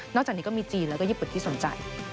จากนี้ก็มีจีนแล้วก็ญี่ปุ่นที่สนใจ